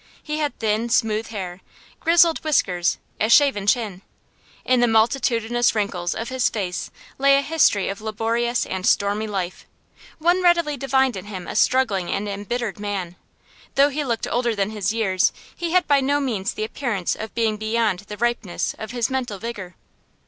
He had thin, smooth hair, grizzled whiskers, a shaven chin. In the multitudinous wrinkles of his face lay a history of laborious and stormy life; one readily divined in him a struggling and embittered man. Though he looked older than his years, he had by no means the appearance of being beyond the ripeness of his mental vigour.